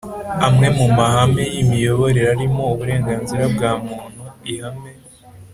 amwe mu mahame y imiyoborere arimo uburenganzira bwa muntu ihame